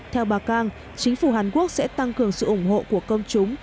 theo bà cang chính phủ hàn quốc sẽ tăng cường sự ủng hộ của công chúng